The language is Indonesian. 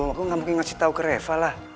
aku gak mungkin ngasih tahu ke reva lah